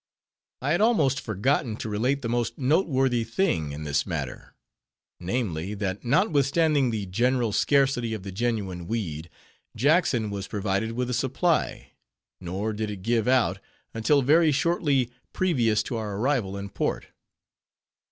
I had almost forgotten to relate the most noteworthy thing in this matter; namely, that notwithstanding the general scarcity of the genuine weed, Jackson was provided with a supply; nor did it give out, until very shortly previous to our arrival in port.